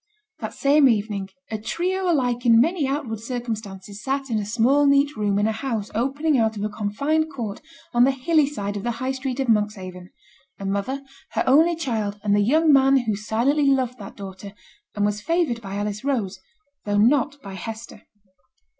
That same evening, a trio alike in many outward circumstances sate in a small neat room in a house opening out of a confined court on the hilly side of the High Street of Monkshaven a mother, her only child, and the young man who silently loved that daughter, and was favoured by Alice Rose, though not by Hester.